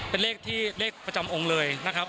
เป็นเลขที่เลขประจำองค์เลยนะครับ